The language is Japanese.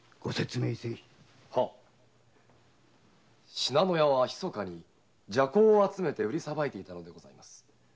信濃屋はひそかに麝香を集めて売りさばいていたのです。